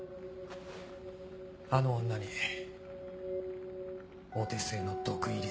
あの女にお手製の毒入り